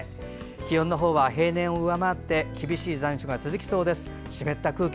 気温は平年を上回って厳しい残照が続きそうです。